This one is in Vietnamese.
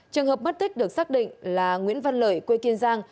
trường hợp mất tích được xác định là nguyễn văn lợi quê kiên giang